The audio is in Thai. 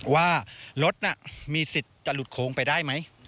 ว่ารถน่ะมีสิทธิ์จะหลุดโค้งไปได้ไหม